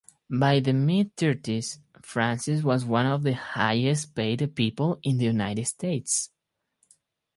By the mid-thirties, Francis was one of the highest-paid people in the United States.